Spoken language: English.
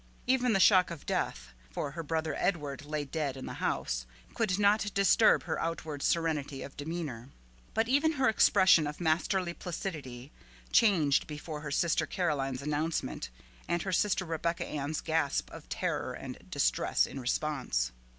Even the shock of death for her brother Edward lay dead in the house could not disturb her outward serenity of demeanor. But even her expression of masterly placidity changed before her sister Caroline's announcement and her sister Rebecca Ann's gasp of terror and distress in response.